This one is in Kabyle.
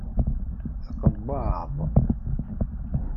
Taqewwadt!